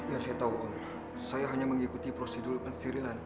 ya saya tahu om saya hanya mengikuti prosedur penstirilan